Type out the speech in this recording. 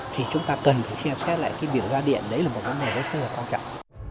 thì chúng ta cần phải xem xét lại cái biểu đoán điện đấy là một vấn đề rất là quan trọng